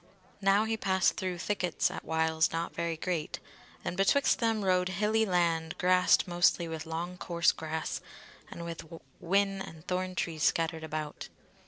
Now he passed through thickets at whiles not very great, and betwixt them rode hilly land grassed mostly with long coarse grass, and with whin and thorn trees scattered about.